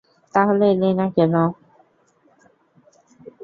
তাহলে এলিনা কেন?